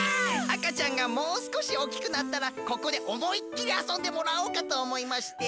あかちゃんがもうすこしおおきくなったらここでおもいっきりあそんでもらおうかとおもいまして。